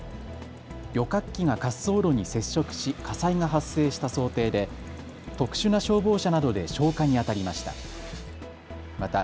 旅客機が滑走路に接触し火災が発生した想定で特殊な消防車などで消火にあたりました。